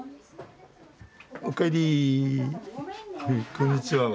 「こんにちは」は？